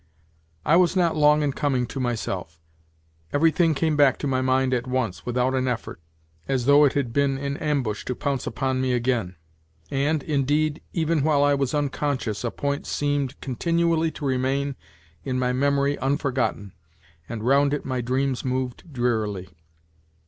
I was not long in coming to myself ; everything came back to my mind at once, without an effort, as though it had been in ambush to pounce upon me again. And, indeed, even wliile I was unconscious a point seemed continually to remain in my memory unforgotten, and round it my dreams moved drearily.